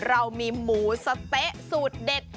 เรามีหมูสะเต๊ะสูตรเด็ด